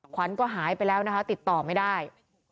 ขวัญก็หายไปแล้วนะคะติดต่อไม่ได้